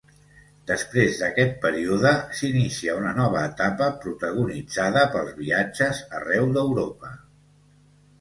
Després d'aquest període, s'inicia una nova etapa protagonitzada pels viatges arreu d'Europa.